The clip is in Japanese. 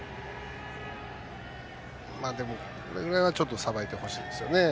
これぐらいは、ちょっとさばいてほしいですよね。